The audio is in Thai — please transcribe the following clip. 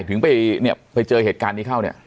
ถึงไปเจอเหตุการณ์นี้เข้า